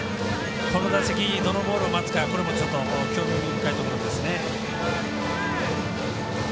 この打席、どのボールを待つか興味深いところですね。